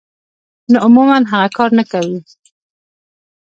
نو عموماً هغه کار نۀ کوي -